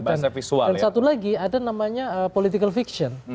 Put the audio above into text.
dan satu lagi ada namanya political fiction